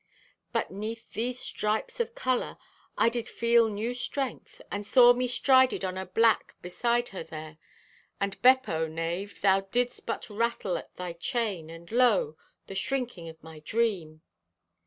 "But 'neath these stripes of color I did feel new strength, and saw me strided on a black beside her there. And, Beppo, knave, thou didst but rattle at thy chain, and lo, the shrinking of my dream!